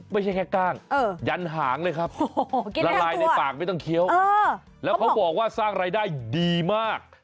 ไม่ใช่แค่กล้างยันหางเลยครับละลายในปากไม่ต้องเคี้ยวแล้วเขาบอกว่าสร้างรายได้ดีมาก